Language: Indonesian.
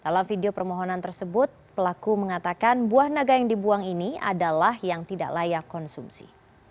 dalam video permohonan tersebut pelaku mengatakan buah naga yang dibuang ini adalah yang tidak layak konsumsi